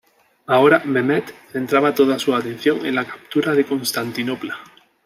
Ahora Mehmet centraba toda su atención en la captura de Constantinopla.